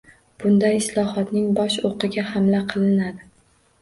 Bunda islohotning bosh o‘qiga hamla qilinadi.